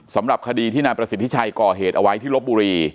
สำหรับคดีที่นายประสิทธิชัยก่อเหตุเอาไว้ที่ลบบุรี